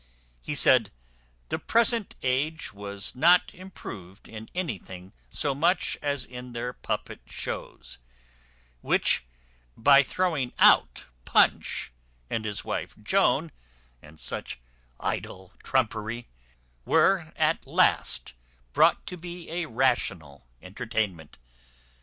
He said, "The present age was not improved in anything so much as in their puppet shows; which, by throwing out Punch and his wife Joan, and such idle trumpery, were at last brought to be a rational entertainment.